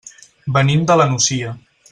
Venim de la Nucia.